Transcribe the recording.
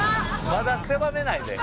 まだ狭めないで。